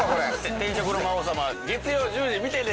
「転職の魔王様」月曜１０時、見てね。